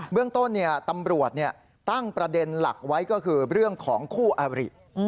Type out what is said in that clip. เรื่องต้นตำรวจตั้งประเด็นหลักไว้ก็คือเรื่องของคู่อาริ